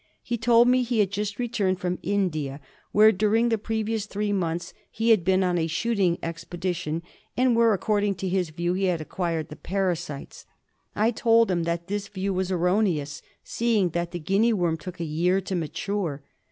He told me he had just returned from India, where during the previous three months he had been on a shooting expe dition, and where, according to his view, he had acquired the parasites. I told him that this view was erroneous, 40 GUINEA WORM. seeing that the Guinea worm took a year to mature.